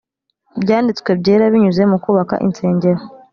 byanditswe byera binyuze mu kubaka insengero